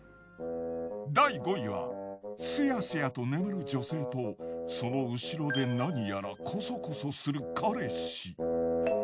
第５位はすやすやと眠る女性とその後ろでなにやらコソコソする彼氏。